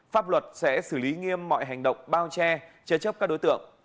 pháp luật sẽ xử lý nghiêm mọi hành động bao che chế chấp các đối tượng